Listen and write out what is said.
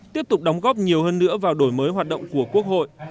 tiếp tục đóng góp nhiều hơn nữa vào đổi mới hoạt động của quốc hội